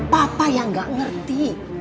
papa yang gak ngerti